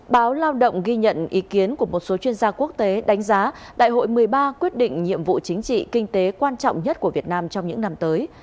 báo lao động ghi nhận ý kiến của một số chuyên gia quốc tế đánh giá đại hội một mươi ba quyết định nhiệm vụ chính trị kinh tế quan trọng nhất của việt nam trong những năm tới